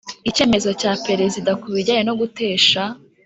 Icyemezo cya Perezida ku bijyanye no gutesha